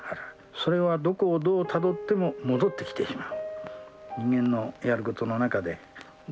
それはどこをどうたどっても戻ってきてしまう。